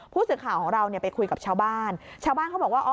ผู้สื่อข่าวของเราเนี่ยไปคุยกับชาวบ้านชาวบ้านเขาบอกว่าอ๋อ